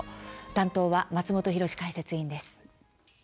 担当は松本浩司解説委員です。